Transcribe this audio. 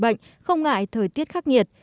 bệnh không ngại thời tiết khắc nghiệt